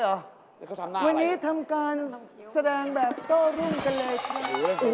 เขาทำหน้าอะไรนะครับเขาทำคิววันนี้ทำการแสดงแบบโต้รุ่งกันเลยครับ